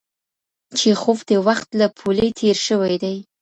چیخوف د وخت له پولې تېر شوی دی.